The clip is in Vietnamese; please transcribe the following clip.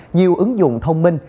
nhiều ứng dụng thông minh